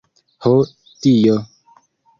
Ho dio!